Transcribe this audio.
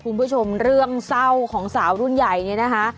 คุณผู้ชมเรื่องเศร้าของสาวรุ่นใหญ่เนี่ยนะคะ